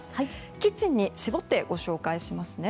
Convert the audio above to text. キッチンに絞ってご紹介しますね。